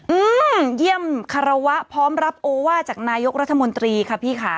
อืมเยี่ยมคารวะพร้อมรับโอว่าจากนายกรัฐมนตรีค่ะพี่ค่ะ